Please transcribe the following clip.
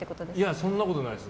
そんなことないです。